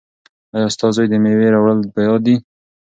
ایا ستا زوی ته د مېوې راوړل په یاد دي؟